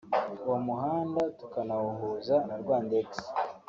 uwo muhanda tukanawuhuza na Rwandex